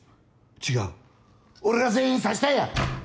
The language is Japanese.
違う俺が全員刺したんや！